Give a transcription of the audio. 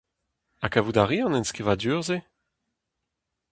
Ha kavout a ri an enskrivadur-se ?